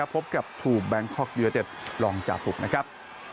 พบกับทูลแบงคกยูเอเต็ปลองจับหลุบ